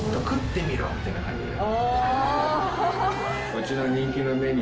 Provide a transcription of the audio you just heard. うちの。